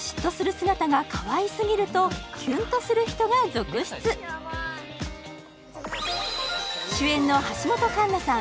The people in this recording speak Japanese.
姿がかわいすぎるとキュンとする人が続出主演の橋本環奈さん